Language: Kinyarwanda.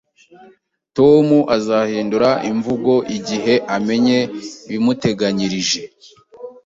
Tom azahindura imvugo igihe amenye ibimuteganyirije.